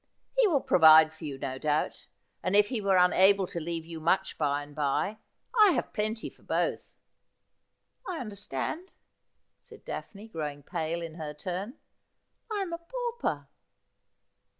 ' He will provide for you, no doubt. And if he were unable to leave you much by and by, I have plenty for both.' 'I understand,' said Daphne, growing pale in her turn ; 'I am a pauper.'